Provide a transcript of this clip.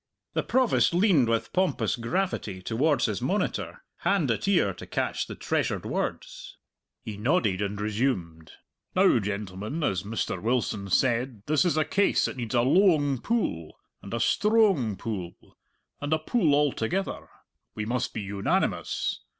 The Provost leaned with pompous gravity toward his monitor, hand at ear to catch the treasured words. He nodded and resumed. "Now, gentlemen, as Mr. Wilson said, this is a case that needs a loang pull, and a stroang pull, and a pull all together. We must be unanimous.